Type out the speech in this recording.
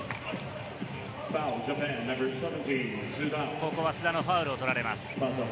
ここは須田のファウルがとられます。